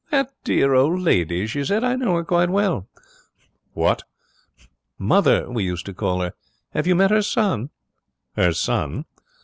'That dear old lady?' she said.' I know her quite well.' 'What!' '"Mother" we used to call her. Have you met her son?' 'Her son?'